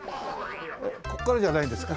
ここからじゃないんですか？